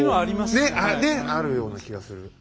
ねっあるような気がする。